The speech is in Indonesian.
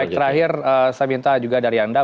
baik terakhir saya minta juga dari anda